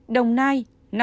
đồng nai năm trăm bảy mươi tám